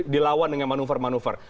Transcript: dilawan dengan manuver manuver